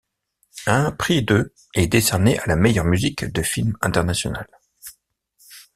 Un prix de est décerné à la meilleure musique de film internationale.